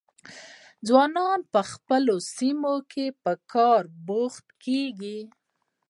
ځوانان په خپلو سیمو کې په کار بوخت کیږي.